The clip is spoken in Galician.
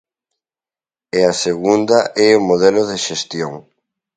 E a segunda é o modelo de xestión.